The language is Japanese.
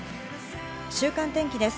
週間天気です。